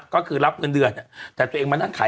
ก็คือรับเงินเดือนแต่ตัวเองมานั่งขาย